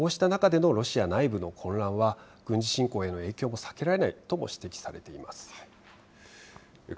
こうした中でのロシア内部の混乱は、軍事侵攻の影響も避けられないと指摘されています。